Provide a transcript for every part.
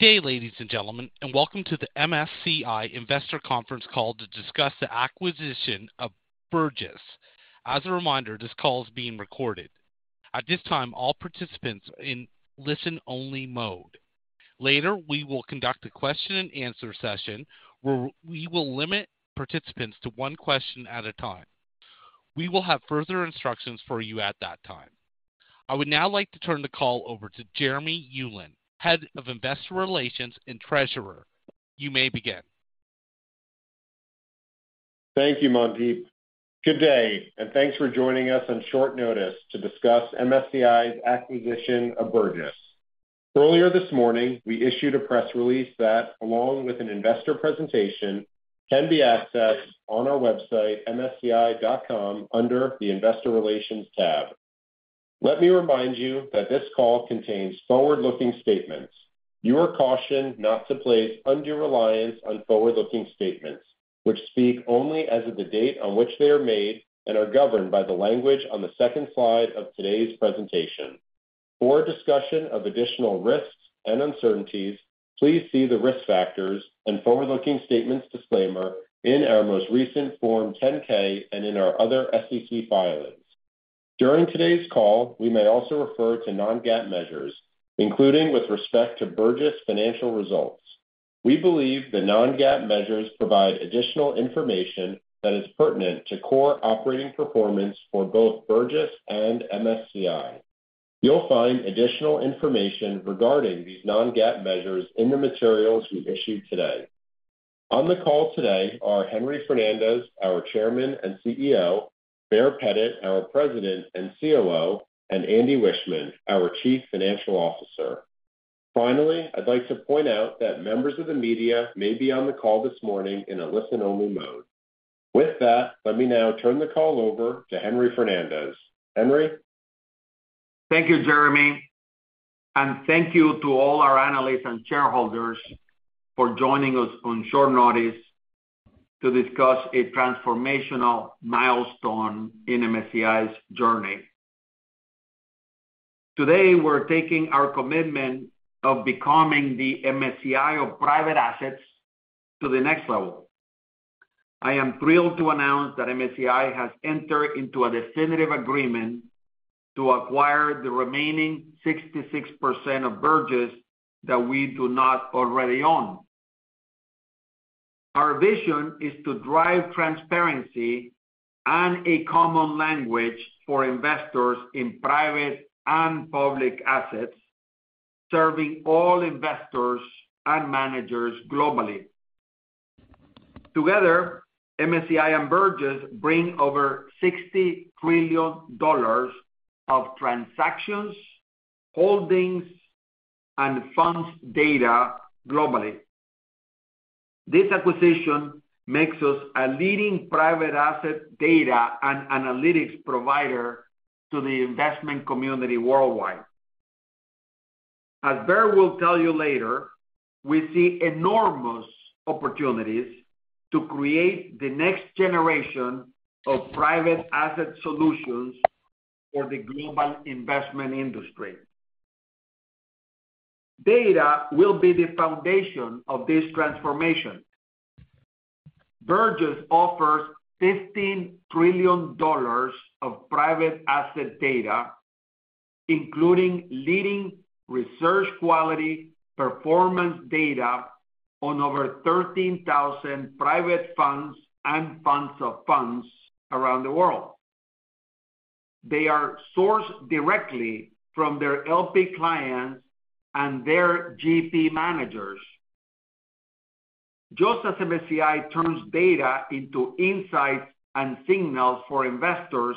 Good day, ladies and gentlemen, and welcome to the MSCI Investor Conference Call to discuss the acquisition of Burgiss. As a reminder, this call is being recorded. At this time, all participants are in listen-only mode. Later, we will conduct a question and answer session, where we will limit participants to one question at a time. We will have further instructions for you at that time. I would now like to turn the call over to Jeremy Ulan, Head of Investor Relations and Treasurer. You may begin. Thank you, Mandeep. Good day, thanks for joining us on short notice to discuss MSCI's acquisition of Burgiss. Earlier this morning, we issued a press release that, along with an investor presentation, can be accessed on our website, msci.com, under the Investor Relations tab. Let me remind you that this call contains forward-looking statements. You are cautioned not to place undue reliance on forward-looking statements which speak only as of the date on which they are made and are governed by the language on the second slide of today's presentation. For a discussion of additional risks and uncertainties, please see the Risk Factors and Forward-Looking Statements disclaimer in our most recent Form 10-K and in our other SEC filings. During today's call, we may also refer to non-GAAP measures, including with respect to Burgiss financial results. We believe the non-GAAP measures provide additional information that is pertinent to core operating performance for both Burgiss and MSCI. You'll find additional information regarding these non-GAAP measures in the materials we issued today. On the call today are Henry Fernandez, our Chairman and CEO, Baer Pettit, our President and COO, and Andy Wiechmann, our Chief Financial Officer. Finally, I'd like to point out that members of the media may be on the call this morning in a listen-only mode. With that, let me now turn the call over to Henry Fernandez. Henry? Thank you, Jeremy, and thank you to all our analysts and shareholders for joining us on short notice to discuss a transformational milestone in MSCI's journey. Today, we're taking our commitment of becoming the MSCI of private assets to the next level. I am thrilled to announce that MSCI has entered into a definitive agreement to acquire the remaining 66% of Burgiss that we do not already own. Our vision is to drive transparency and a common language for investors in private and public assets, serving all investors and managers globally. Together, MSCI and Burgiss bring over $60 trillion of transactions, holdings, and funds data globally. This acquisition makes us a leading private asset data and analytics provider to the investment community worldwide. As Baer will tell you later, we see enormous opportunities to create the next generation of private asset solutions for the global investment industry. Data will be the foundation of this transformation. Burgiss offers $15 trillion of private asset data, including leading research, quality, performance data on over 13,000 private funds and funds of funds around the world. They are sourced directly from their LP clients and their GP managers. Just as MSCI turns data into insights and signals for investors,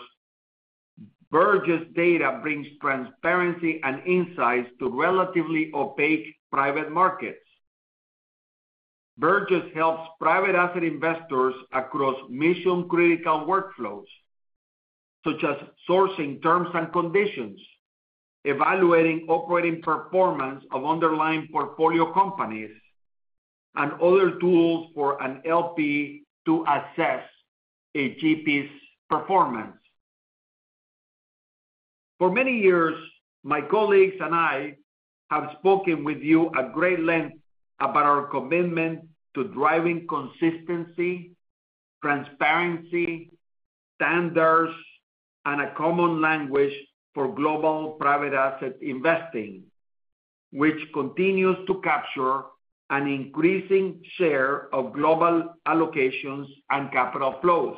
Burgiss data brings transparency and insights to relatively opaque private markets. Burgiss helps private asset investors across mission-critical workflows, such as sourcing terms and conditions, evaluating operating performance of underlying portfolio companies, and other tools for an LP to assess a GP's performance. For many years, my colleagues and I have spoken with you at great length about our commitment to driving consistency, transparency, standards, and a common language for global private asset investing, which continues to capture an increasing share of global allocations and capital flows.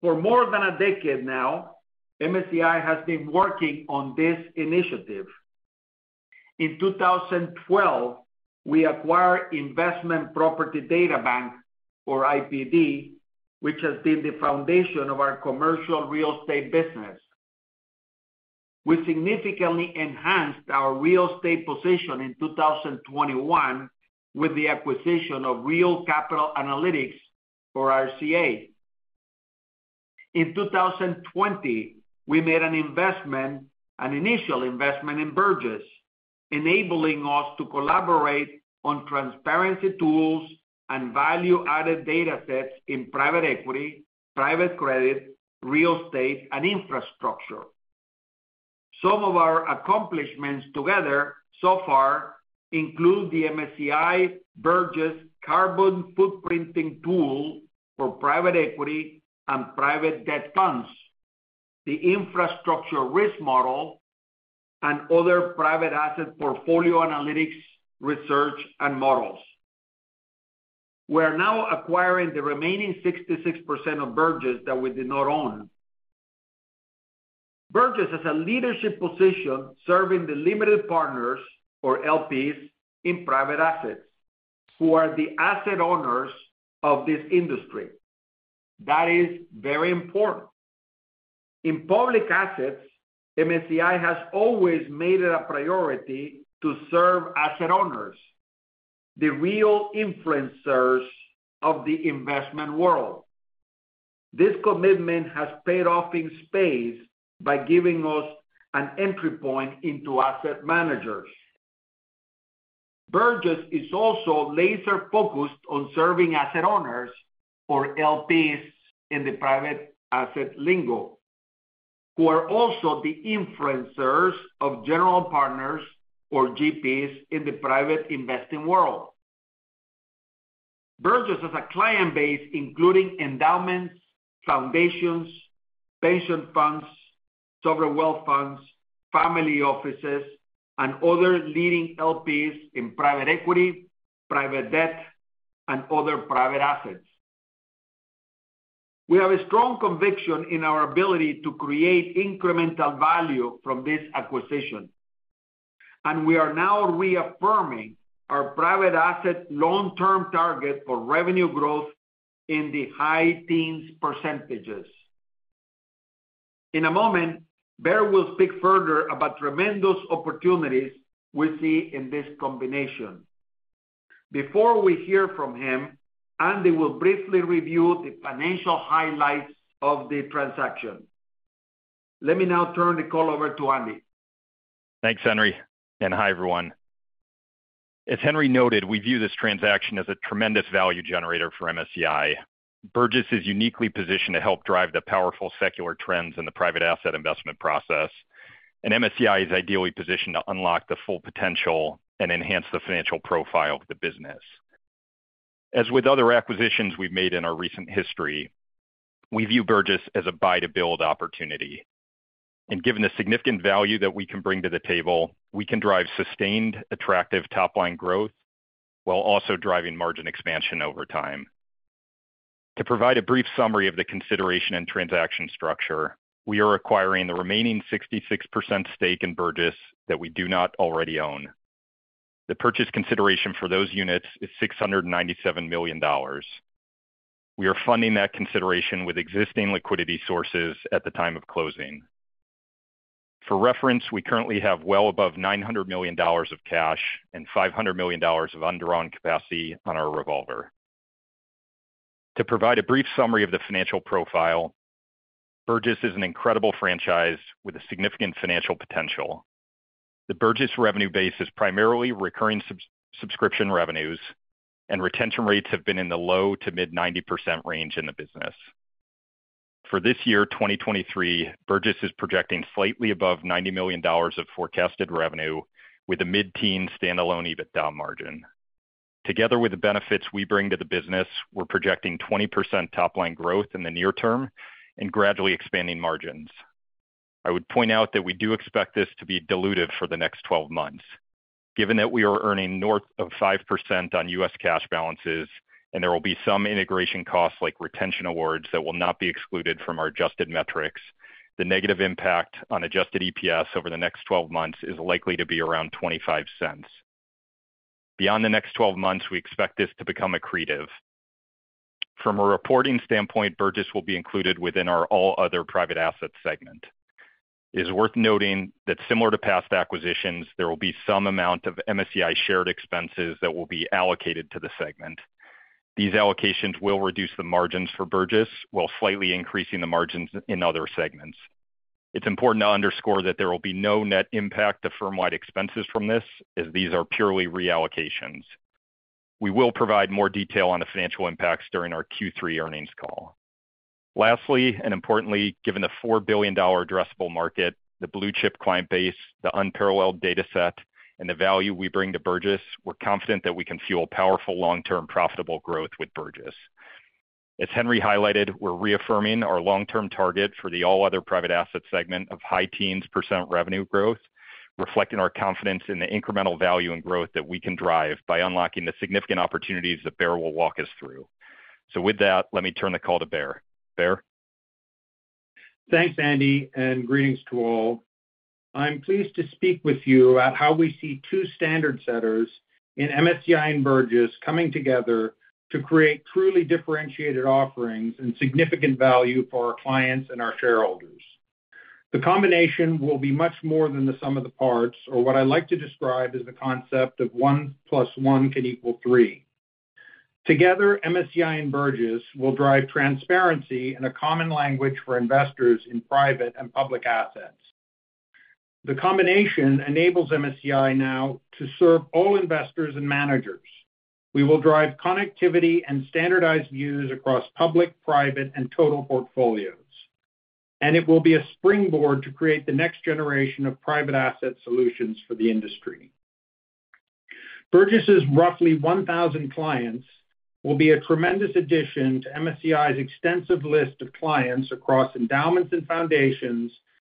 For more than a decade now, MSCI has been working on this initiative. In 2012, we acquired Investment Property Databank, or IPD, which has been the foundation of our commercial real estate business. We significantly enhanced our real estate position in 2021 with the acquisition of Real Capital Analytics, or RCA. In 2020, we made an initial investment in Burgiss, enabling us to collaborate on transparency tools and value-added datasets in private equity, private credit, real estate, and infrastructure. Some of our accomplishments together so far include the MSCI Burgiss carbon footprinting tool for private equity and private debt funds, the Infrastructure Risk Model, and other private asset portfolio analytics, research, and models. We are now acquiring the remaining 66% of Burgiss that we did not own. Burgiss has a leadership position serving the limited partners, or LPs, in private assets, who are the asset owners of this industry. That is very important. In public assets, MSCI has always made it a priority to serve asset owners, the real influencers of the investment world. This commitment has paid off in space by giving us an entry point into asset managers. Burgiss is also laser-focused on serving asset owners or LPs in the private asset lingo, who are also the influencers of general partners or GPs in the private investing world. Burgiss has a client base, including endowments, foundations, pension funds, sovereign wealth funds, family offices, and other leading LPs in private equity, private debt, and other private assets. We have a strong conviction in our ability to create incremental value from this acquisition, and we are now reaffirming our private asset long-term target for revenue growth in the high teens %. In a moment, Baer will speak further about tremendous opportunities we see in this combination. Before we hear from him, Andy will briefly review the financial highlights of the transaction. Let me now turn the call over to Andy. Thanks, Henry. Hi, everyone. As Henry noted, we view this transaction as a tremendous value generator for MSCI. Burgiss is uniquely positioned to help drive the powerful secular trends in the private asset investment process, and MSCI is ideally positioned to unlock the full potential and enhance the financial profile of the business. As with other acquisitions we've made in our recent history, we view Burgiss as a buy-to-build opportunity, and given the significant value that we can bring to the table, we can drive sustained, attractive top-line growth while also driving margin expansion over time. To provide a brief summary of the consideration and transaction structure, we are acquiring the remaining 66% stake in Burgiss that we do not already own. The purchase consideration for those units is $697 million. We are funding that consideration with existing liquidity sources at the time of closing. For reference, we currently have well above $900 million of cash and $500 million of undrawn capacity on our revolver. To provide a brief summary of the financial profile, Burgiss is an incredible franchise with a significant financial potential. The Burgiss revenue base is primarily recurring sub-subscription revenues, and retention rates have been in the low to mid-90% range in the business. For this year, 2023, Burgiss is projecting slightly above $90 million of forecasted revenue with a mid-teen standalone EBITDA margin. Together with the benefits we bring to the business, we're projecting 20% top-line growth in the near term and gradually expanding margins. I would point out that we do expect this to be dilutive for the next 12 months. Given that we are earning north of 5% on U.S. cash balances, and there will be some integration costs like retention awards that will not be excluded from our adjusted metrics, the negative impact on adjusted EPS over the next 12 months is likely to be around $0.25. Beyond the next 12 months, we expect this to become accretive. From a reporting standpoint, Burgiss will be included within our All Other Private Assets segment. It is worth noting that similar to past acquisitions, there will be some amount of MSCI shared expenses that will be allocated to the segment. These allocations will reduce the margins for Burgiss, while slightly increasing the margins in other segments. It's important to underscore that there will be no net impact to firm-wide expenses from this, as these are purely reallocations. We will provide more detail on the financial impacts during our Q3 earnings call. Lastly, importantly, given the $4 billion addressable market, the blue-chip client base, the unparalleled data set, and the value we bring to Burgiss, we're confident that we can fuel powerful, long-term, profitable growth with Burgiss. As Henry highlighted, we're reaffirming our long-term target for the All Other Private Assets segment of high teens % revenue growth, reflecting our confidence in the incremental value and growth that we can drive by unlocking the significant opportunities that Baer will walk us through. With that, let me turn the call to Baer. Baer? Thanks, Andy, greetings to all. I'm pleased to speak with you about how we see two standard setters in MSCI and Burgiss coming together to create truly differentiated offerings and significant value for our clients and our shareholders. The combination will be much more than the sum of the parts, or what I like to describe as the concept of 1 plus 1 can equal 3. Together, MSCI and Burgiss will drive transparency and a common language for investors in private and public assets... The combination enables MSCI now to serve all investors and managers. We will drive connectivity and standardized views across public, private, and total portfolios, and it will be a springboard to create the next generation of private asset solutions for the industry. Burgiss's roughly 1,000 clients will be a tremendous addition to MSCI's extensive list of clients across endowments and foundations,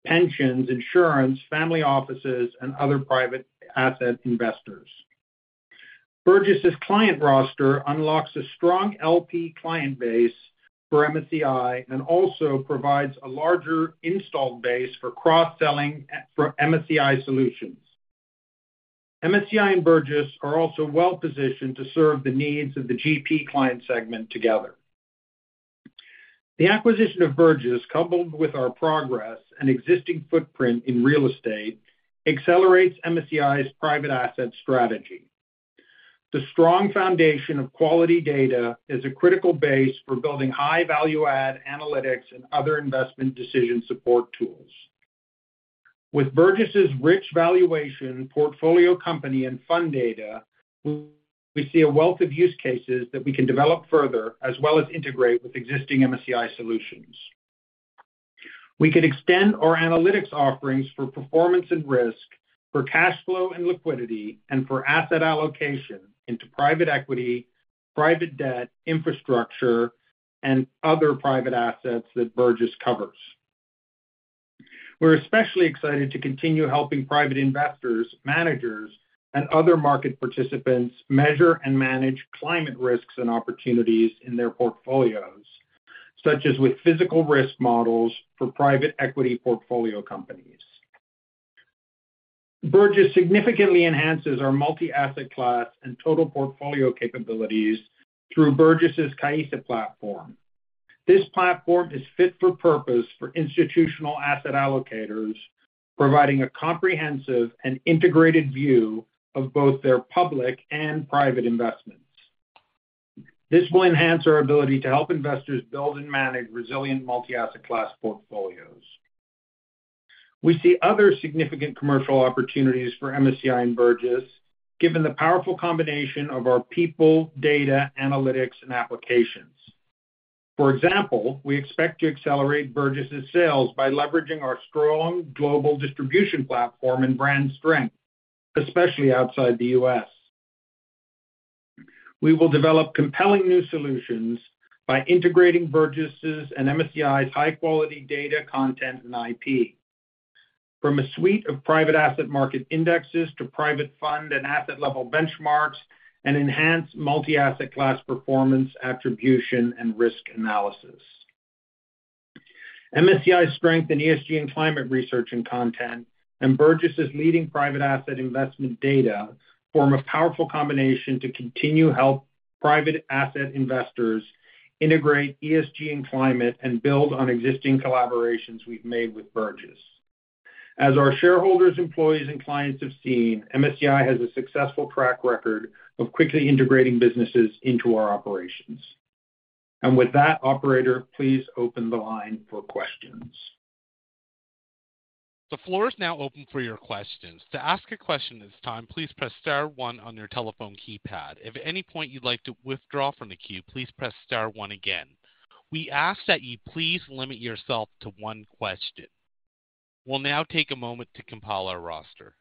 pensions, insurance, family offices, and other private asset investors. Burgiss's client roster unlocks a strong LP client base for MSCI and also provides a larger installed base for cross-selling for MSCI Solutions. MSCI and Burgiss are also well-positioned to serve the needs of the GP client segment together. The acquisition of Burgiss, coupled with our progress and existing footprint in real estate, accelerates MSCI's private asset strategy. The strong foundation of quality data is a critical base for building high value-add analytics and other investment decision support tools. With Burgiss's rich valuation, portfolio company, and fund data, we see a wealth of use cases that we can develop further, as well as integrate with existing MSCI Solutions. We could extend our analytics offerings for performance and risk, for cash flow and liquidity, and for asset allocation into private equity, private debt, infrastructure, and other private assets that Burgiss covers. We're especially excited to continue helping private investors, managers, and other market participants measure and manage climate risks and opportunities in their portfolios, such as with physical risk models for private equity portfolio companies. Burgiss significantly enhances our multi-asset class and total portfolio capabilities through Burgiss's Caissa platform. This platform is fit for purpose for institutional asset allocators, providing a comprehensive and integrated view of both their public and private investments. This will enhance our ability to help investors build and manage resilient multi-asset class portfolios. We see other significant commercial opportunities for MSCI and Burgiss, given the powerful combination of our people, data, analytics, and applications. For example, we expect to accelerate Burgiss's sales by leveraging our strong global distribution platform and brand strength, especially outside the U.S. We will develop compelling new solutions by integrating Burgiss's and MSCI's high-quality data, content, and IP, from a suite of private asset market indexes to private fund and asset level benchmarks, and enhance multi-asset class performance, attribution, and risk analysis. MSCI's strength in ESG and climate research and content, and Burgiss's leading private asset investment data, form a powerful combination to continue to help private asset investors integrate ESG and climate and build on existing collaborations we've made with Burgiss. As our shareholders, employees, and clients have seen, MSCI has a successful track record of quickly integrating businesses into our operations. With that, operator, please open the line for questions. The floor is now open for your questions. To ask a question at this time, please press star one on your telephone keypad. If at any point you'd like to withdraw from the queue, please press star one again. We ask that you please limit yourself to one question. We'll now take a moment to compile our roster.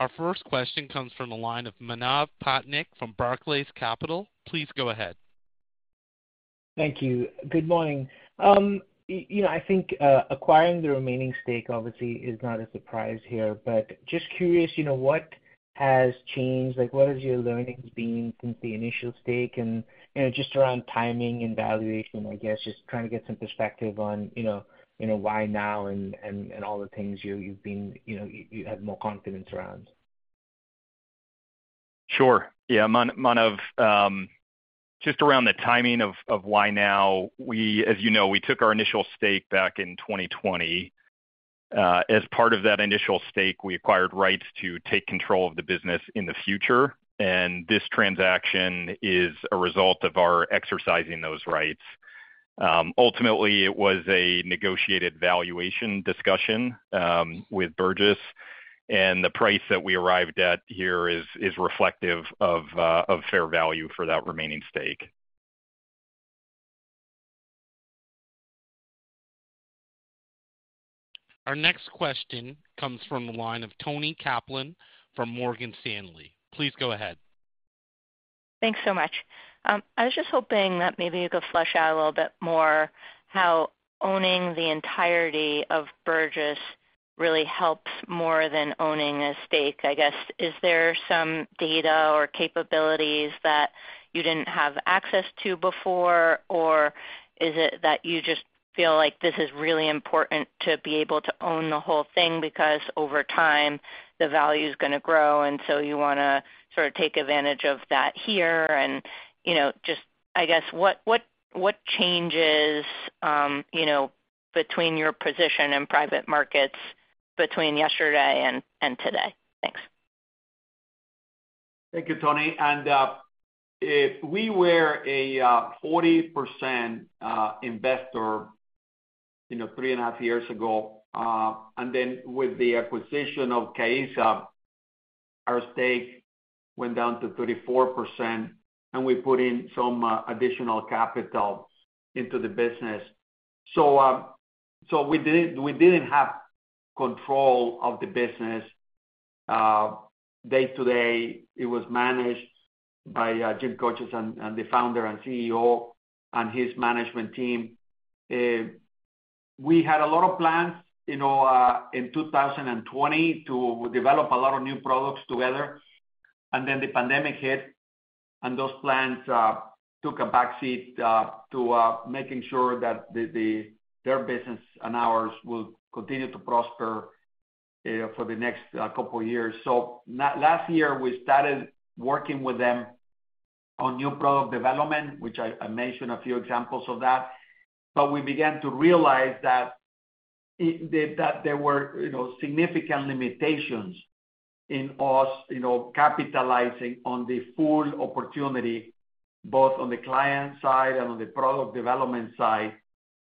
Our first question comes from the line of Manav Patnaik from Barclays Capital. Please go ahead. Thank you. Good morning. You know, I think acquiring the remaining stake obviously is not a surprise here, but just curious, you know, what has changed? Like, what has your learnings been since the initial stake? You know, just around timing and valuation, I guess, just trying to get some perspective on, you know, you know, why now and, and, and all the things you, you've been, you know, you, you have more confidence around? Sure. Yeah, Manav, just around the timing of, of why now, we, as you know, we took our initial stake back in 2020. As part of that initial stake, we acquired rights to take control of the business in the future, and this transaction is a result of our exercising those rights. Ultimately, it was a negotiated valuation discussion, with Burgiss, and the price that we arrived at here is, is reflective of, of fair value for that remaining stake. Our next question comes from the line of Toni Kaplan from Morgan Stanley. Please go ahead. Thanks so much. I was just hoping that maybe you could flesh out a little bit more how owning the entirety of Burgiss really helps more than owning a stake. I guess, is there some data or capabilities that you didn't have access to before? Or is it that you just feel like this is really important to be able to own the whole thing, because over time, the value is gonna grow, and so you wanna sort of take advantage of that here? You know, just I guess, what, what, what changes, you know, between your position in private markets between yesterday and, and today? Thanks. Thank you, Toni Kaplan. If we were a 40% investor, you know, 3.5 years ago, then with the acquisition of Caissa, our stake went down to 34%, and we put in some additional capital into the business. We didn't, we didn't have control of the business. Day-to-day, it was managed by Jim Kocis and the founder and CEO and his management team. We had a lot of plans, you know, in 2020 to develop a lot of new products together, then the pandemic hit, those plans took a backseat to making sure that the their business and ours will continue to prosper for the next couple of years. Last year, we started working with them on new product development, which I, I mentioned a few examples of that, but we began to realize that there were, you know, significant limitations in us, you know, capitalizing on the full opportunity, both on the client side and on the product development side,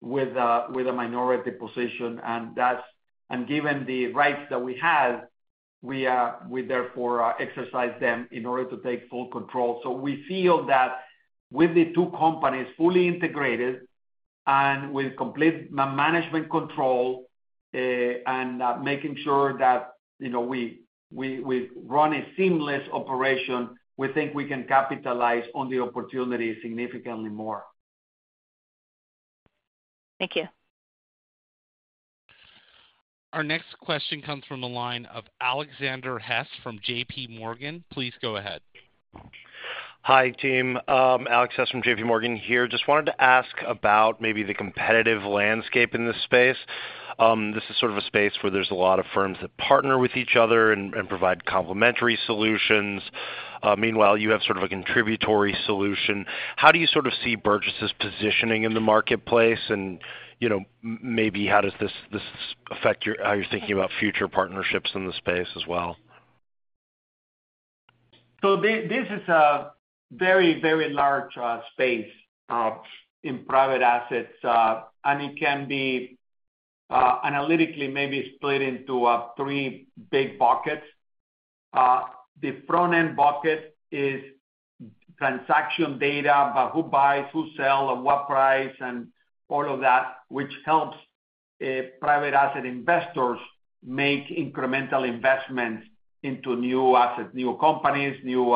with a, with a minority position. Given the rights that we had, we therefore exercise them in order to take full control. We feel that with the two companies fully integrated and with complete management control, and making sure that, you know, we, we, we run a seamless operation, we think we can capitalize on the opportunity significantly more. Thank you. Our next question comes from the line of Alexander Hess, from J.P. Morgan. Please go ahead. Hi, team. Alex Hess from J.P. Morgan here. Just wanted to ask about maybe the competitive landscape in this space. This is sort of a space where there's a lot of firms that partner with each other and, and provide complementary solutions. Meanwhile, you have sort of a contributory solution. How do you sort of see Burgiss's positioning in the marketplace? You know, maybe how does this affect how you're thinking about future partnerships in the space as well? This, this is a very, very large space in private assets. It can be analytically, maybe split into three big buckets. The front-end bucket is transaction data, about who buys, who sell, at what price, and all of that, which helps private asset investors make incremental investments into new assets, new companies, new,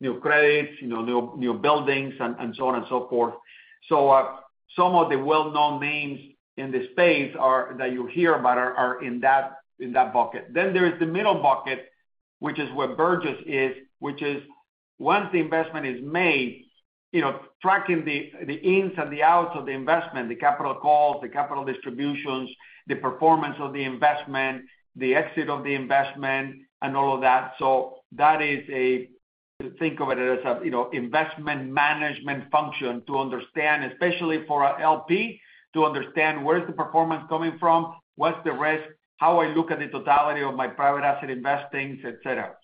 new credits, you know, new, new buildings and, and so on and so forth. Some of the well-known names in this space are, that you hear about are, are in that, in that bucket. There is the middle bucket, which is where Burgiss is, which is once the investment is made, you know, tracking the, the ins and the outs of the investment, the capital calls, the capital distributions, the performance of the investment, the exit of the investment, and all of that. That is a, think of it as a, you know, investment management function to understand, especially for our LP, to understand where is the performance coming from, what's the risk, how I look at the totality of my private asset investing, et cetera.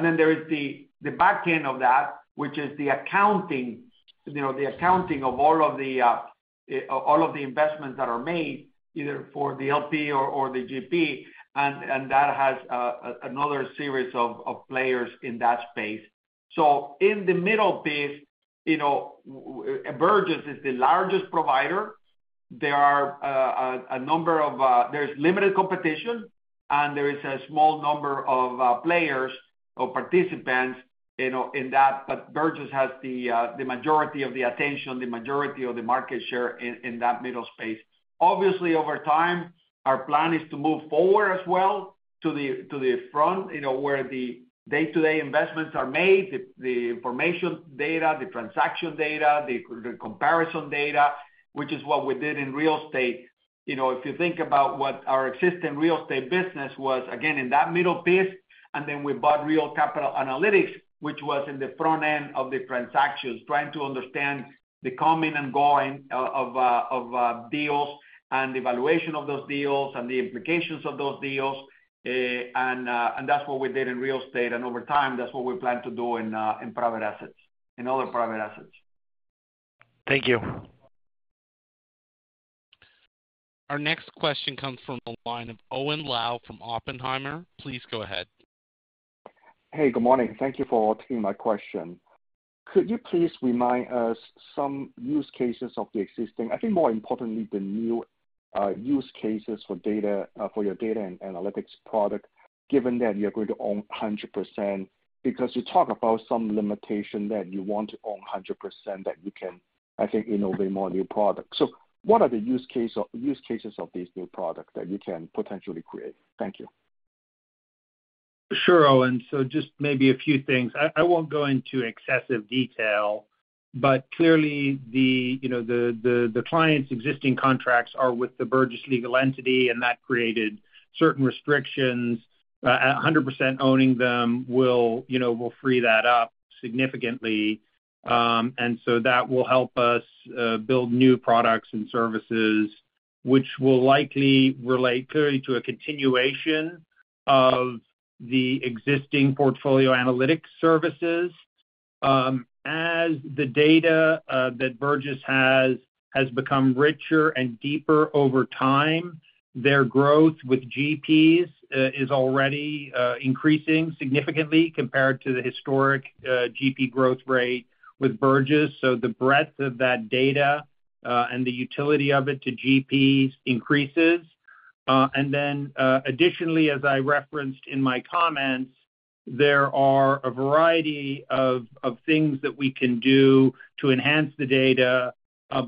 Then there is the, the back end of that, which is the accounting, you know, the accounting of all of the investments that are made, either for the LP or, or the GP, and, and that has another series of, of players in that space. In the middle piece, you know, Burgiss is the largest provider. There's limited competition, and there is a small number of players or participants, you know, in that, but Burgiss has the majority of the attention, the majority of the market share in that middle space. Obviously, over time, our plan is to move forward as well to the front, you know, where the day-to-day investments are made, the information data, the transaction data, the comparison data, which is what we did in real estate. You know, if you think about what our existing real estate business was, again, in that middle piece, and then we bought Real Capital Analytics, which was in the front end of the transactions, trying to understand the coming and going of deals and the valuation of those deals and the implications of those deals. That's what we did in real estate, and over time, that's what we plan to do in private assets, in other private assets. Thank you. Our next question comes from the line of Owen Lau from Oppenheimer. Please go ahead. Hey, good morning. Thank you for taking my question. Could you please remind us some use cases of the existing... I think more importantly, the new use cases for data for your data and analytics product, given that you're going to own 100%, because you talk about some limitation that you want to own 100%, that you can, I think, innovate more new products. What are the use cases of these new products that you can potentially create? Thank you. Sure, Owen. Just maybe a few things. I, I won't go into excessive detail, but clearly the, you know, the, the, the client's existing contracts are with the Burgiss legal entity, and that created certain restrictions. 100% owning them will, you know, will free that up significantly. That will help us build new products and services. Which will likely relate clearly to a continuation of the existing portfolio analytics services. As the data that Burgiss has, has become richer and deeper over time, their growth with GPs is already increasing significantly compared to the historic GP growth rate with Burgiss. The breadth of that data and the utility of it to GPs increases. Additionally, as I referenced in my comments, there are a variety of things that we can do to enhance the data,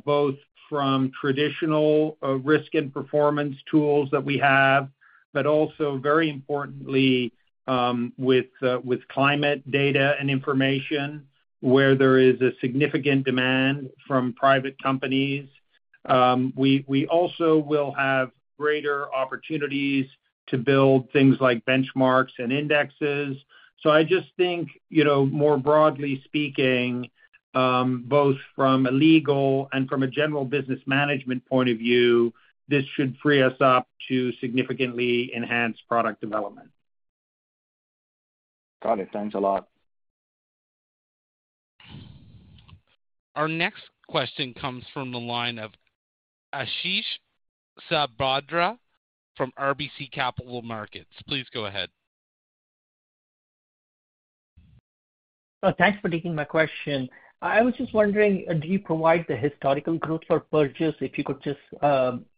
both from traditional risk and performance tools that we have, but also, very importantly, with climate data and information, where there is a significant demand from private companies. We also will have greater opportunities to build things like benchmarks and indexes. I just think, you know, more broadly speaking, both from a legal and from a general business management point of view, this should free us up to significantly enhance product development. Got it. Thanks a lot. Our next question comes from the line of Ashish Sabadra from RBC Capital Markets. Please go ahead. Thanks for taking my question. I was just wondering, do you provide the historical growth for Burgiss? If you could just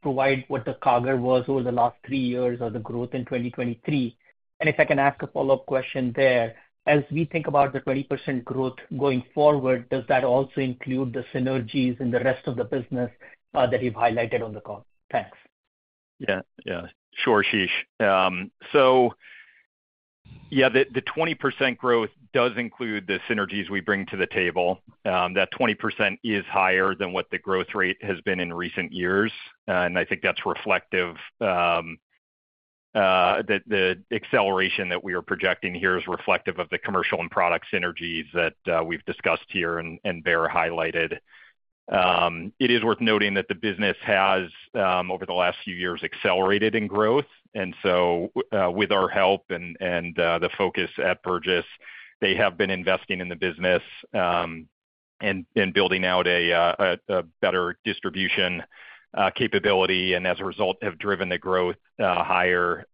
provide what the CAGR was over the last three years or the growth in 2023. If I can ask a follow-up question there: As we think about the 20% growth going forward, does that also include the synergies in the rest of the business that you've highlighted on the call? Thanks. Yeah. Yeah, sure, Ashish. Yeah, the 20% growth does include the synergies we bring to the table. That 20% is higher than what the growth rate has been in recent years, and I think that's reflective. The acceleration that we are projecting here is reflective of the commercial and product synergies that we've discussed here and Baer highlighted. It is worth noting that the business has over the last few years, accelerated in growth. So with our help and the focus at Burgiss, they have been investing in the business and building out a better distribution capability, and as a result, have driven the growth higher.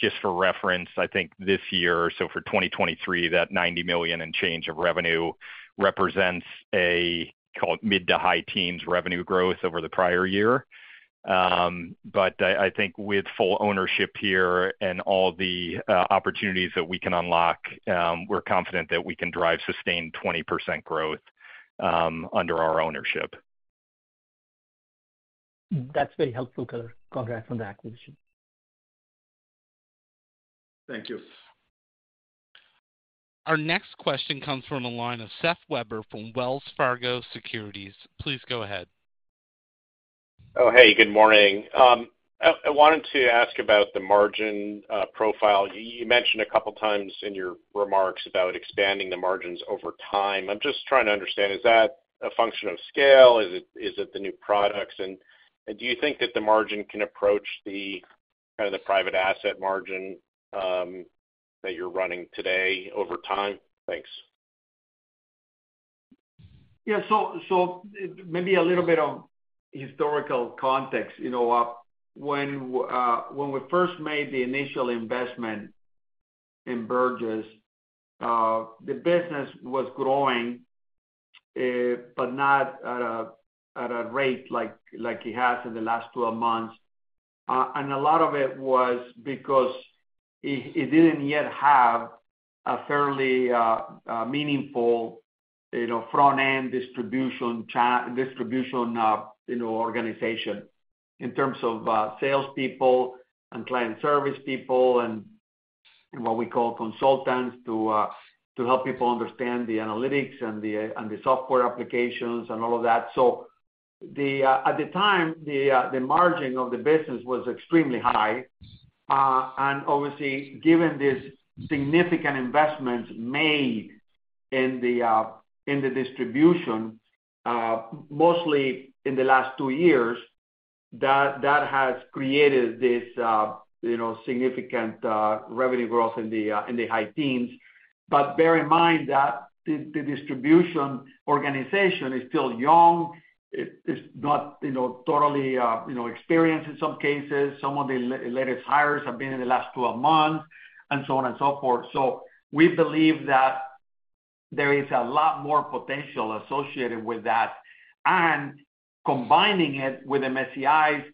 Just for reference, I think this year, so for 2023, that $90 million and change of revenue represents a, call it, mid-to-high teens revenue growth over the prior year. I, I think with full ownership here and all the opportunities that we can unlock, we're confident that we can drive sustained 20% growth under our ownership. That's very helpful. Congrats on the acquisition. Thank you. Our next question comes from the line of Seth Weber from Wells Fargo Securities. Please go ahead. Oh, hey, good morning. I, I wanted to ask about the margin profile. You, you mentioned a couple of times in your remarks about expanding the margins over time. I'm just trying to understand, is that a function of scale? Is it, is it the new products? Do you think that the margin can approach the, kind of, the private asset margin that you're running today over time? Thanks. Yeah, so maybe a little bit of historical context. You know, when we first made the initial investment in Burgiss, the business was growing, but not at a rate like, like it has in the last 12 months. A lot of it was because it, it didn't yet have a fairly meaningful, you know, front-end distribution, you know, organization, in terms of salespeople and client service people and what we call consultants, to help people understand the analytics and the, and the software applications and all of that. At the time, the margin of the business was extremely high. Obviously, given these significant investments made in the distribution, mostly in the last 2 years, that, that has created this, you know, significant revenue growth in the high teens. Bear in mind that the distribution organization is still young. It is not, you know, totally, you know, experienced in some cases. Some of the latest hires have been in the last 12 months, and so on and so forth. We believe that there is a lot more potential associated with that. Combining it with MSCI's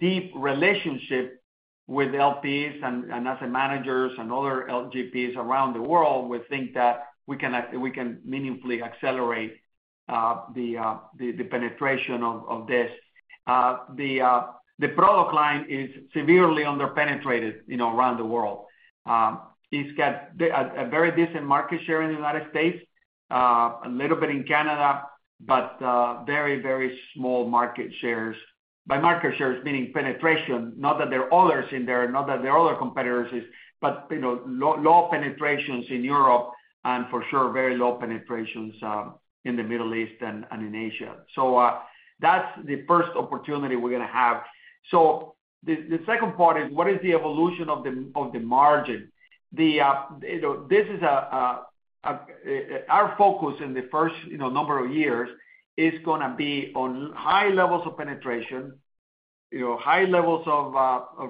deep relationship with LPs and asset managers and other LGPs around the world, we think that we can meaningfully accelerate the penetration of this. The product line is severely underpenetrated, you know, around the world. It's got a, a very decent market share in the United States. A little bit in Canada, very, very small market shares. By market shares, meaning penetration, not that there are others in there, not that there are other competitors, you know, low, low penetrations in Europe. For sure, very low penetrations in the Middle East and in Asia. That's the first opportunity we're gonna have. The, the second part is, what is the evolution of the, of the margin? The, you know, this is a, our focus in the first, you know, number of years is gonna be on high levels of penetration, you know, high levels of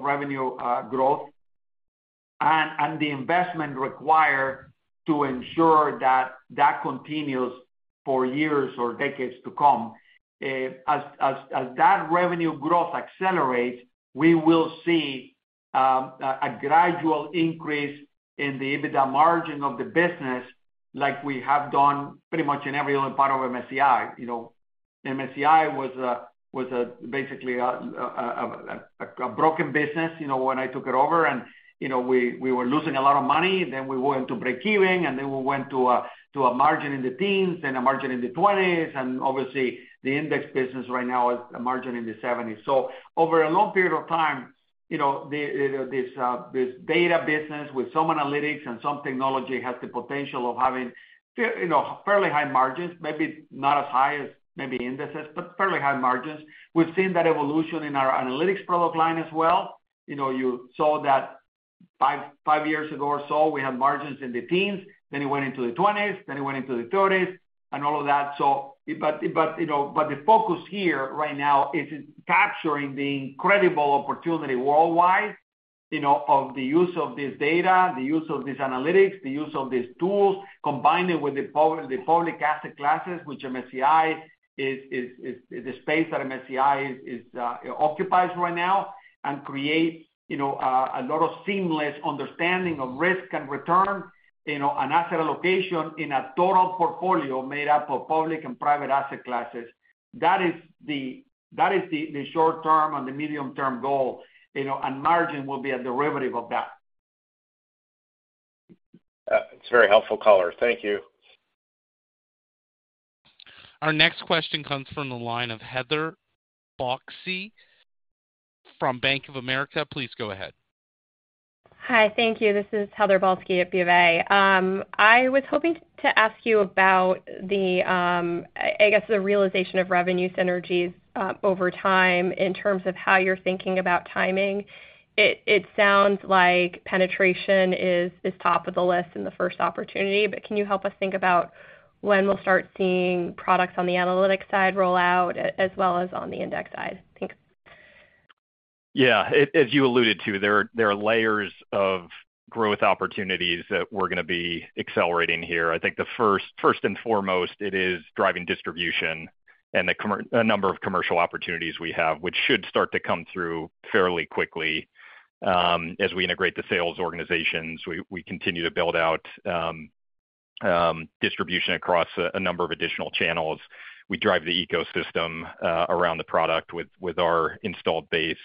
revenue growth, and the investment required to ensure that that continues for years or decades to come. As, as, as that revenue growth accelerates, we will see a gradual increase in the EBITDA margin of the business, like we have done pretty much in every other part of MSCI. You know, MSCI was a, was a, basically a, a, a, a broken business, you know, when I took it over and, you know, we, we were losing a lot of money, then we went to breakeven, and then we went to a, to a margin in the 10s and a margin in the 20s, and obviously, the index business right now is a margin in the 70s. Over a long period of time, you know, the, you know, this data business with some analytics and some technology has the potential of having fair, you know, fairly high margins, maybe not as high as maybe indices, but fairly high margins. We've seen that evolution in our analytics product line as well. You know, you saw that five, five years ago or so, we had margins in the teens, then it went into the twenties, then it went into the thirties, and all of that. You know, but the focus here right now is capturing the incredible opportunity worldwide, you know, of the use of this data, the use of these analytics, the use of these tools, combining with the public, the public asset classes, which MSCI is, is, is the space that MSCI occupies right now, and create, you know, a lot of seamless understanding of risk and return, you know, and asset allocation in a total portfolio made up of public and private asset classes. That is the, that is the, the short term and the medium-term goal, you know, and margin will be a derivative of that. It's very helpful, caller. Thank you. Our next question comes from the line of Heather Balsky from Bank of America. Please go ahead. Hi, thank you. This is Heather Balsky at BofA. I was hoping to ask you about the, I guess, the realization of revenue synergies over time in terms of how you're thinking about timing. It sounds like penetration is top of the list and the first opportunity, can you help us think about when we'll start seeing products on the analytics side roll out, as well as on the index side? Thanks. Yeah. As, as you alluded to, there, there are layers of growth opportunities that we're gonna be accelerating here. I think the first, first and foremost, it is driving distribution and the commer-- a number of commercial opportunities we have, which should start to come through fairly quickly, as we integrate the sales organizations. We, we continue to build out, distribution across a, a number of additional channels. We drive the ecosystem, around the product with, with our installed base.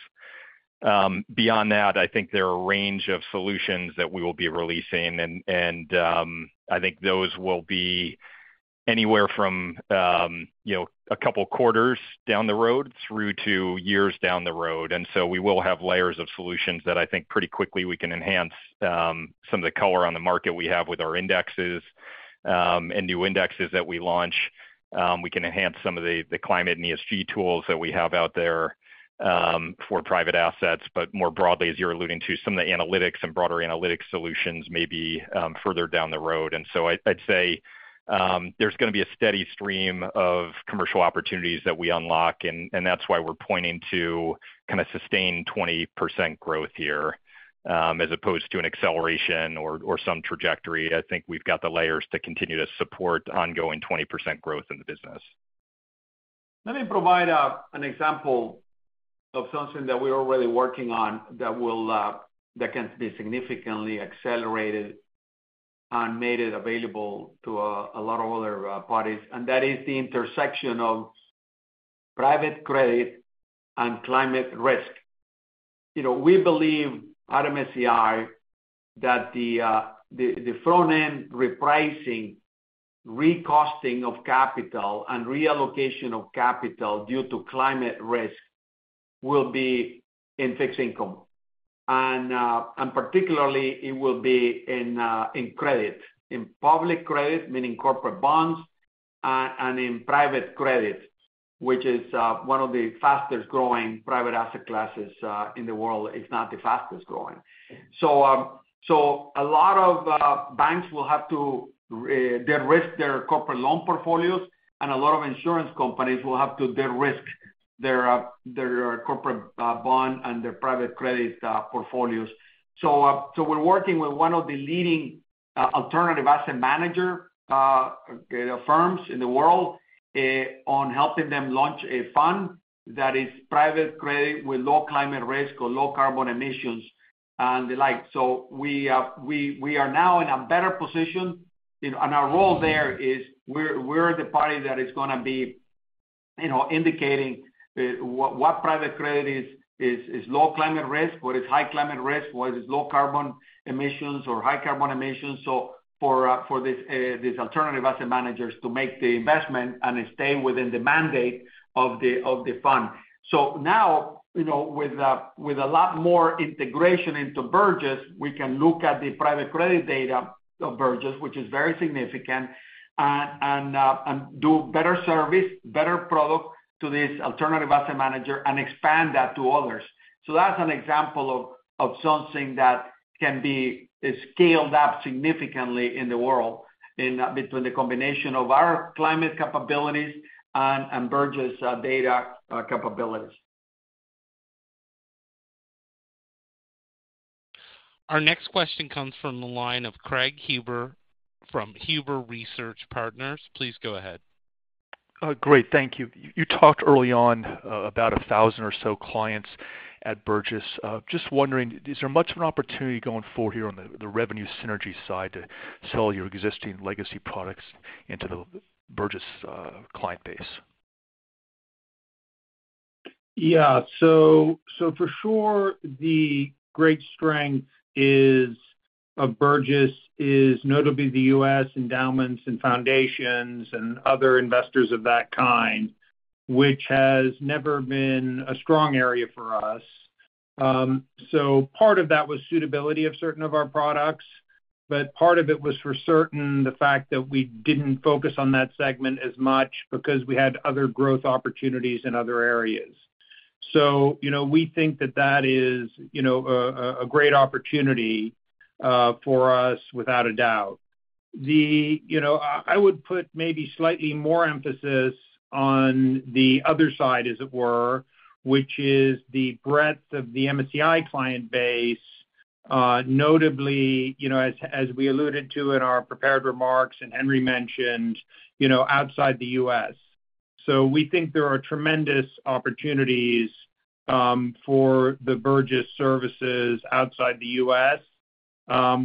Beyond that, I think there are a range of solutions that we will be releasing, and, and, I think those will be anywhere from, you know, a couple quarters down the road through to years down the road. We will have layers of solutions that I think pretty quickly we can enhance, some of the color on the market we have with our indexes, and new indexes that we launch. We can enhance some of the, the climate and ESG tools that we have out there, for private assets, but more broadly, as you're alluding to, some of the analytics and broader analytics solutions may be further down the road. I'd, I'd say, there's gonna be a steady stream of commercial opportunities that we unlock, and, and that's why we're pointing to kind of sustain 20% growth here, as opposed to an acceleration or, or some trajectory. I think we've got the layers to continue to support ongoing 20% growth in the business. Let me provide an example of something that we're already working on that will, that can be significantly accelerated and made it available to a lot of other parties, and that is the intersection of private credit and climate risk. You know, we believe at MSCI that the, the, the front-end repricing, recosting of capital, and reallocation of capital due to climate risk will be in fixed income. Particularly, it will be in, in credit, in public credit, meaning corporate bonds, and in private credit, which is, one of the fastest-growing private asset classes, in the world, if not the fastest growing. A lot of banks will have to de-risk their corporate loan portfolios, and a lot of insurance companies will have to de-risk their corporate bond and their private credit portfolios. We're working with one of the leading alternative asset manager firms in the world on helping them launch a fund that is private credit with low climate risk or low carbon emissions and the like. We, we are now in a better position, you know, and our role there is we're, we're the party that is gonna be, you know, indicating what private credit is low climate risk, what is high climate risk, what is low carbon emissions or high carbon emissions. For these, these alternative asset managers to make the investment and stay within the mandate of the fund. Now, you know, with a lot more integration into Burgiss, we can look at the private credit data of Burgiss, which is very significant, and do better service, better product to this alternative asset manager and expand that to others. That's an example of something that can be scaled up significantly in the world, in between the combination of our climate capabilities and Burgiss' data capabilities. Our next question comes from the line of Craig Huber, from Huber Research Partners. Please go ahead. Great, thank you. You talked early on about 1,000 or so clients at Burgiss. Just wondering, is there much of an opportunity going forward here on the revenue synergy side to sell your existing legacy products into the Burgiss client base? Yeah. For sure, the great strength is, of Burgiss is notably the U.S. endowments and foundations and other investors of that kind, which has never been a strong area for us. Part of that was suitability of certain of our products, but part of it was for certain, the fact that we didn't focus on that segment as much because we had other growth opportunities in other areas. You know, we think that that is, you know, a, a, a great opportunity for us, without a doubt. The, you know, I would put maybe slightly more emphasis on the other side, as it were, which is the breadth of the MSCI client base, notably, you know, as, as we alluded to in our prepared remarks, and Henry mentioned, you know, outside the U.S. We think there are tremendous opportunities for the Burgiss services outside the US,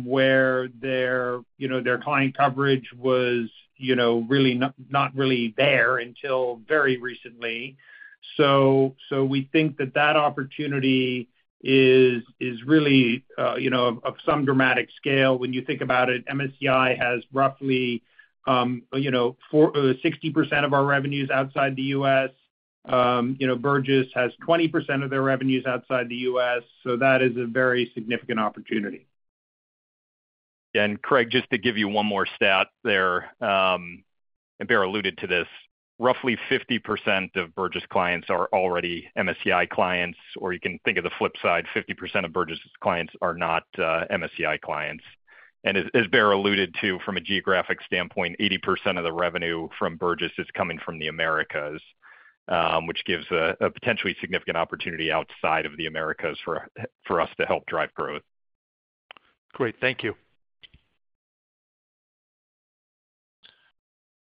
where their, you know, their client coverage was, you know, really not, not really there until very recently. We think that that opportunity is, is really, you know, of some dramatic scale. When you think about it, MSCI has roughly, you know, 60% of our revenues outside the US. You know, Burgiss has 20% of their revenues outside the US, so that is a very significant opportunity. Craig, just to give you one more stat there, and Baer alluded to this, roughly 50% of Burgiss clients are already MSCI clients, or you can think of the flip side, 50% of Burgiss clients are not MSCI clients. As, as Baer alluded to, from a geographic standpoint, 80% of the revenue from Burgiss is coming from the Americas, which gives a potentially significant opportunity outside of the Americas for us to help drive growth. Great, thank you.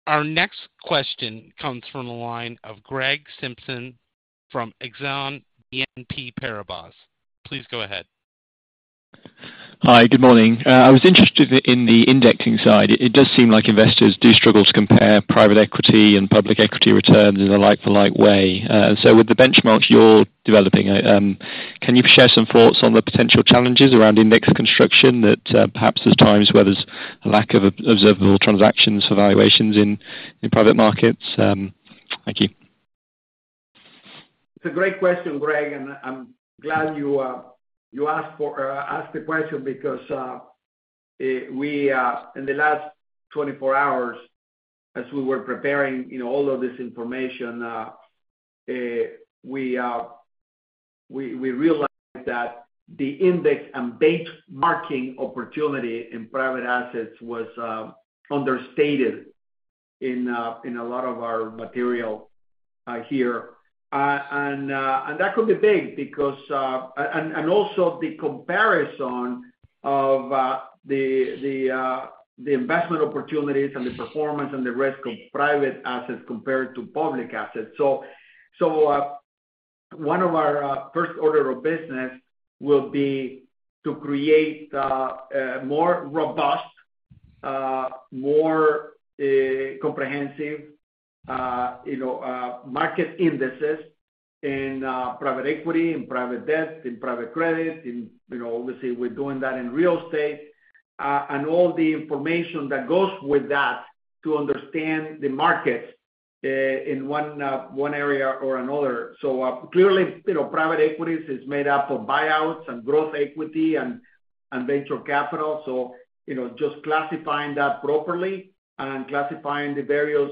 Our next question comes from the line of Greg Simpson from Exane BNP Paribas. Please go ahead. Hi, good morning. I was interested in, in the indexing side. It does seem like investors do struggle to compare private equity and public equity returns in a like-for-like way. With the benchmarks you're developing, can you share some thoughts on the potential challenges around index construction, that, perhaps there's times where there's a lack of observable transactions for valuations in, in private markets? Thank you. It's a great question, Greg, and I'm glad you asked the question because we, in the last 24 hours, as we were preparing, you know, all of this information, we, we realized that the index and benchmarking opportunity in private assets was understated in a lot of our material here. That could be big because... Also the comparison of the investment opportunities and the performance and the risk of private assets compared to public assets. One of our first order of business will be to create a more robust, more comprehensive, you know, market indices in private equity, in private debt, in private credit, in, you know, obviously we're doing that in real estate, and all the information that goes with that to understand the markets in one area or another. Clearly, you know, private equities is made up of buyouts and growth equity and venture capital. You know, just classifying that properly and classifying the various,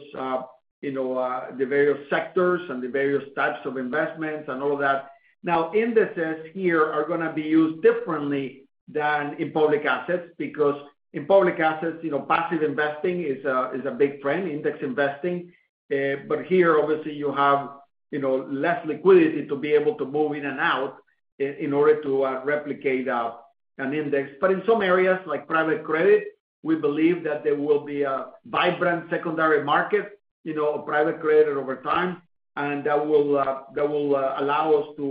you know, the various sectors and the various types of investments and all of that. Now, indices here are going to be used differently than in public assets, because in public assets, you know, passive investing is a big trend, index investing. Here, obviously, you have, you know, less liquidity to be able to move in and out in order to replicate an index. In some areas, like private credit, we believe that there will be a vibrant secondary market, you know, of private credit over time, and that will, that will allow us to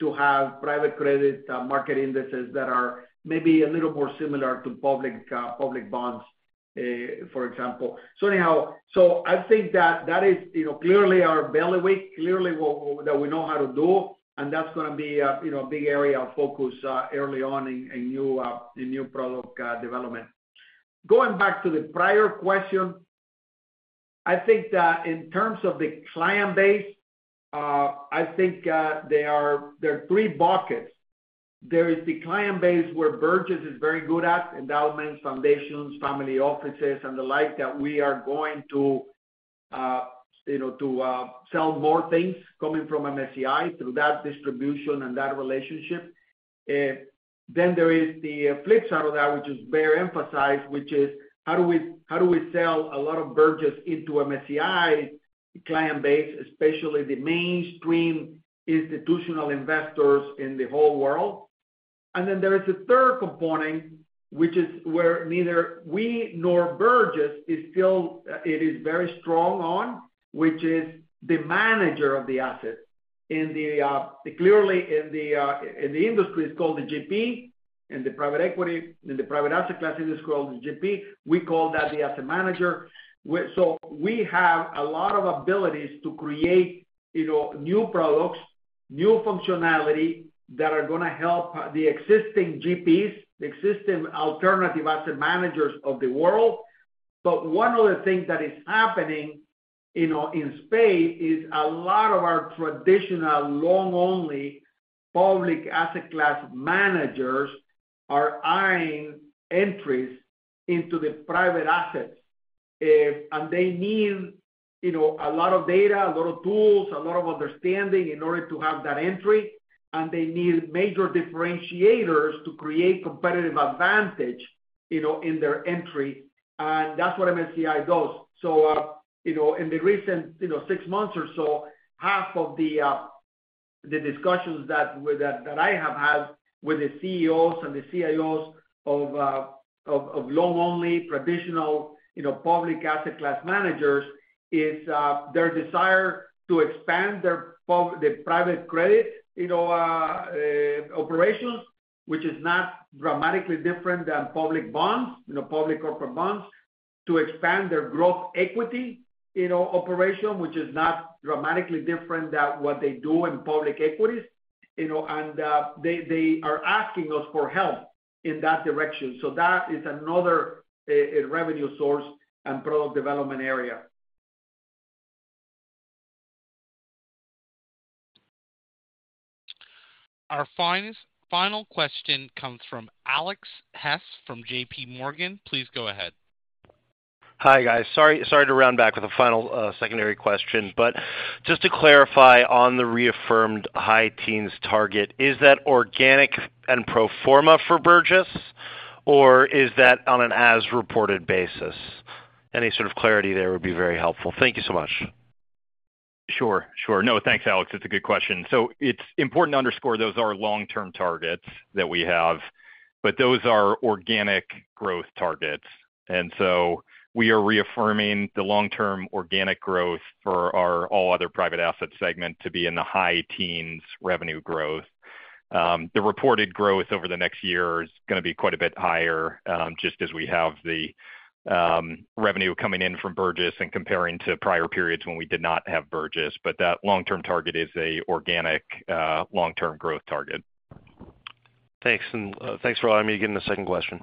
to have private credit market indices that are maybe a little more similar to public public bonds, for example. Anyhow, I think that that is, you know, clearly our belly weight, clearly what, what that we know how to do, and that's gonna be a, you know, a big area of focus early on in in new in new product development. Going back to the prior question, I think that in terms of the client base, I think, there are three buckets. There is the client base where Burgiss is very good at, endowments, foundations, family offices, and the like, that we are going to, you know, to sell more things coming from MSCI through that distribution and that relationship. There is the flip side of that, which is Baer Pettit emphasize, which is how do we, how do we sell a lot of Burgiss into MSCI client base, especially the mainstream institutional investors in the whole world? There is a third component, which is where neither we nor Burgiss is still, it is very strong on, which is the manager of the asset. In the, clearly, in the, in the industry, it's called the GP, in the private equity, in the private asset class, it is called the GP. We call that the asset manager. We have a lot of abilities to create, you know, new products, new functionality, that are gonna help the existing GPs, the existing alternative asset managers of the world. One of the things that is happening, you know, in space, is a lot of our traditional long-only public asset class managers are eyeing entries into the private assets. They need, you know, a lot of data, a lot of tools, a lot of understanding in order to have that entry, and they need major differentiators to create competitive advantage, you know, in their entry, and that's what MSCI does. You know, in the recent, you know, six months or so, half of the discussions that, with that, that I have had with the CEOs and the CIOs of, of, of long-only traditional, you know, public asset class managers, is their desire to expand their private credit, you know, operations, which is not dramatically different than public bonds, you know, public corporate bonds, to expand their growth equity, you know, operation, which is not dramatically different than what they do in public equities. You know, they, they are asking us for help in that direction. That is another, a, a revenue source and product development area. Our final question comes from Alex Hess, from JP Morgan. Please go ahead. Hi, guys. Sorry, sorry to round back with a final, secondary question, but just to clarify on the reaffirmed high teens target, is that organic and pro forma for Burgiss, or is that on an as reported basis? Any sort of clarity there would be very helpful. Thank you so much. Sure, sure. No, thanks, Alex. It's a good question. It's important to underscore those are long-term targets that we have, but those are organic growth targets. We are reaffirming the long-term organic growth for our All Other Private Assets segment to be in the high teens revenue growth. The reported growth over the next year is gonna be quite a bit higher, just as we have the revenue coming in from Burgiss and comparing to prior periods when we did not have Burgiss, but that long-term target is a organic long-term growth target. Thanks, thanks for allowing me to get in the second question.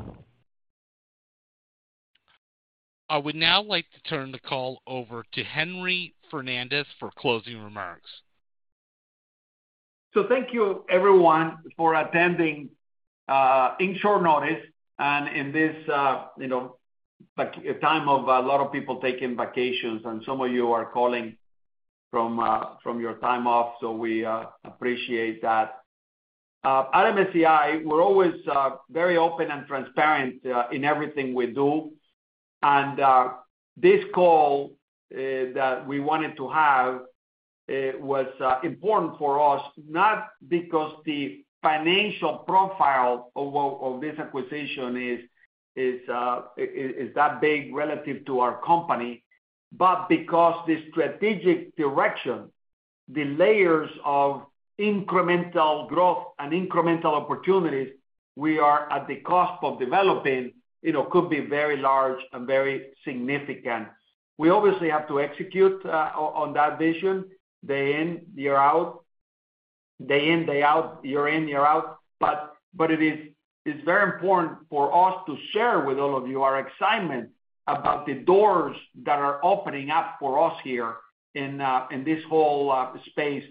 I would now like to turn the call over to Henry Fernandez for closing remarks. Thank you everyone for attending, in short notice, and in this, you know, like, a time of a lot of people taking vacations, and some of you are calling from, from your time off, so we appreciate that. At MSCI, we're always very open and transparent in everything we do, and this call that we wanted to have was important for us, not because the financial profile of, of this acquisition is, is, is that big relative to our company, but because the strategic direction, the layers of incremental growth and incremental opportunities we are at the cusp of developing, you know, could be very large and very significant. We obviously have to execute on, on that vision, day in, year out... day in, day out, year in, year out. But it is, it's very important for us to share with all of you our excitement about the doors that are opening up for us here in this whole space.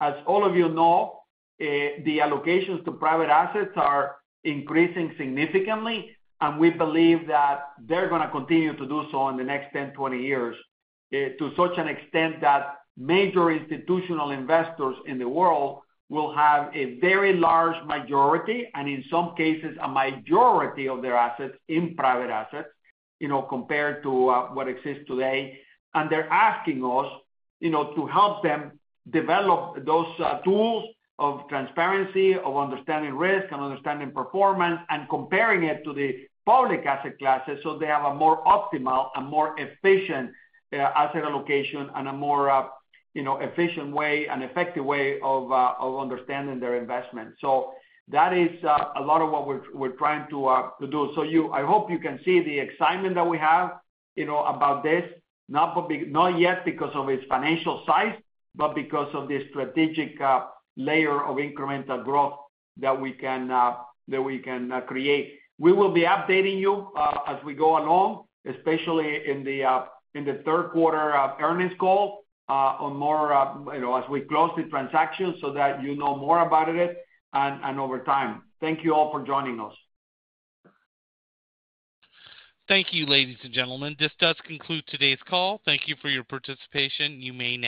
As all of you know, the allocations to private assets are increasing significantly, and we believe that they're gonna continue to do so in the next 10, 20 years to such an extent that major institutional investors in the world will have a very large majority, and in some cases, a majority of their assets in private assets, you know, compared to what exists today. They're asking us, you know, to help them develop those tools of transparency, of understanding risk and understanding performance, and comparing it to the public asset classes, so they have a more optimal and more efficient asset allocation, and a more, you know, efficient way and effective way of understanding their investment. That is a lot of what we're we're trying to do. I hope you can see the excitement that we have, you know, about this, not for not yet because of its financial size, but because of the strategic layer of incremental growth that we can that we can create. We will be updating you, as we go along, especially in the third quarter of earnings call, or more, you know, as we close the transaction, so that you know more about it, and, and over time. Thank you all for joining us. Thank you, ladies and gentlemen. This does conclude today's call. Thank you for your participation. You may now-